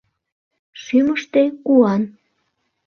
Шӱмыштӧ куан.